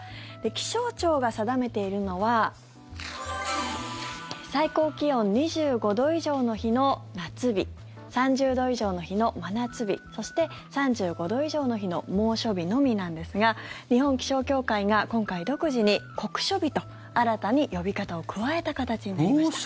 気象庁が定めているのは最高気温２５度以上の日の夏日３０度以上の日の真夏日そして、３５度以上の日の猛暑日のみなんですが日本気象協会が今回、独自に酷暑日と新たに呼び方を加えた形になりました。